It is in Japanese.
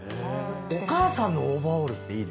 お母さんのオーバーオールっていいね